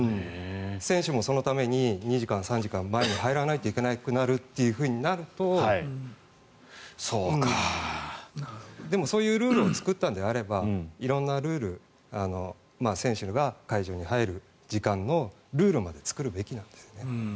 選手もそのために２時間、３時間前に入らないといけないとなるとでも、そういうルールを作ったのであれば色んなルール選手が会場に入る時間のルールまで作るべきなんですよね。